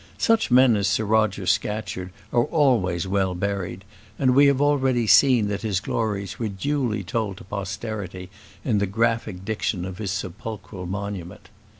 Such men as Sir Roger Scatcherd are always well buried, and we have already seen that his glories were duly told to posterity in the graphic diction of his sepulchral monument.